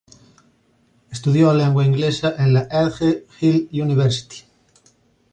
Estudió lengua inglesa en la Edge Hill University.